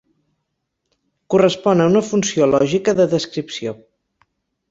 Correspon a una funció lògica de descripció.